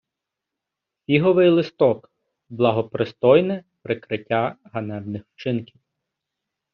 Фіговий листок — благопристойне прикриття ганебних вчинків